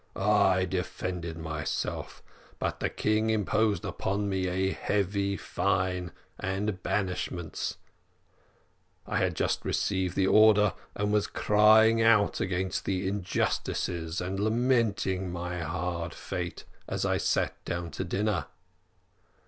I defended myself, but the king imposed upon me a heavy fine and banishment. I had just received the order, and was crying out against the injustice, and lamenting my hard fate, as I sat down to dinner.